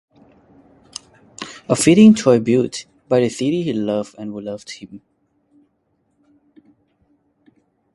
A fitting tribute by the city he loved and who loved him.